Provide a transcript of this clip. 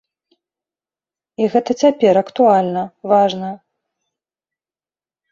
І гэта цяпер актуальна, важна.